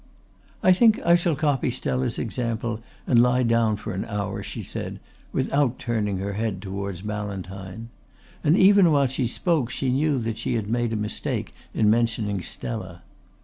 "I think I shall copy Stella's example and lie down for an hour," she said without turning her head towards Ballantyne, and even while she spoke she knew that she had made a mistake in mentioning Stella.